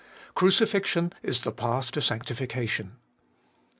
Crucifixion is the path to sanctification.